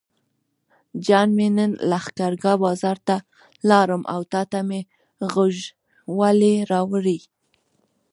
جان مې نن لښکرګاه بازار ته لاړم او تاته مې غوږوالۍ راوړې.